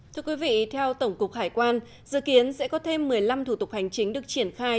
thưa quý vị theo tổng cục hải quan dự kiến sẽ có thêm một mươi năm thủ tục hành chính được triển khai